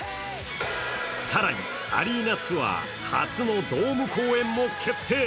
更に、アリーナツアー初のドーム公演も決定。